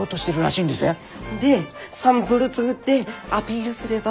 でサンプル作ってアピールすれば。